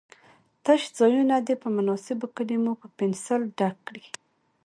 تش ځایونه دې په مناسبو کلمو په پنسل ډک کړي.